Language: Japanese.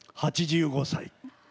８５歳。